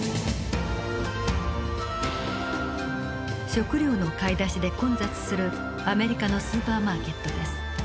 食料の買い出しで混雑するアメリカのスーパーマーケットです。